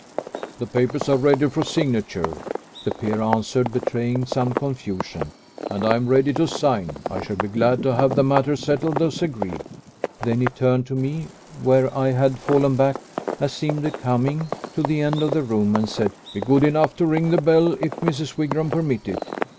"The papers are ready for signature," the peer answered, betraying some confusion, "and I am ready to sign. I shall be glad to have the matter settled as agreed." Then he turned to me, where I had fallen back, as seemed becoming, to the end of the room, and said, "Be good enough to ring the bell if Mrs. Wigram permit it."